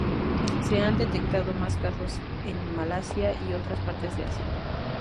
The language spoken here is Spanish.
Se han detectado más casos en Malasia y otras partes de Asia.